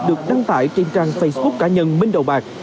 được đăng tải trên trang facebook cá nhân minh đầu bạc